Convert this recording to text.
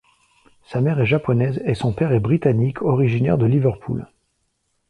Sa mère est japonaise et son père est britannique originaire de Liverpool.